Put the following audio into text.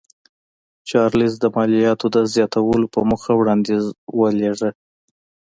چارلېز د مالیاتو د زیاتولو په موخه وړاندیز ولېږه.